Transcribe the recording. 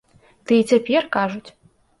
Ды і цяпер кажуць!